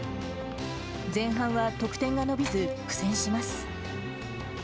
前半は得点が伸びず、苦戦します。